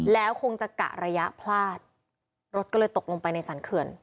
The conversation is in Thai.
แล้วคงจะกะระยะพลาดรถก็เลยตกลงไปในสรรเขื่อน